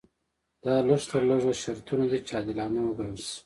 دا لږ تر لږه شرطونه دي چې عادلانه وګڼل شي.